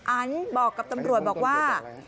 อันบอกกับตำรวจบอกว่า